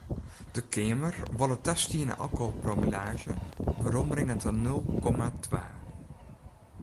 De Keamer wol it tastiene alkoholpromillaazje werombringe ta nul komma twa.